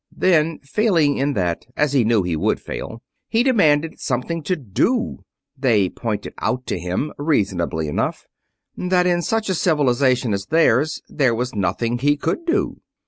Then, failing in that as he knew he would fail, he demanded something to do. They pointed out to him, reasonably enough, that in such a civilization as theirs there was nothing he could do.